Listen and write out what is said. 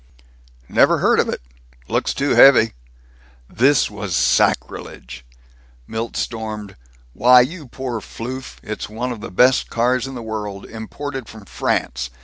"Never heard of it. Looks too heavy." This was sacrilege. Milt stormed, "Why, you poor floof, it's one of the best cars in the world. Imported from France.